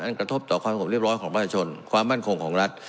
กระทบต่อความกบเรียบร้อยของประชาชนความมั่นคงของรัฐ